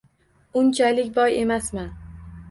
Unchalik boy emasman